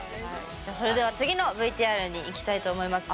じゃそれでは次のＶＴＲにいきたいと思います。